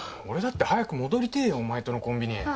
俺だって早く戻りてえよお前とのコンビに。